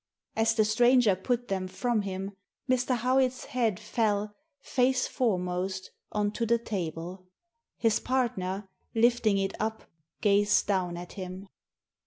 As the stranger put them from him, Mr. Howitt's head fell, face foremost, on to the table. His partner, lifting it up, gazed down at him.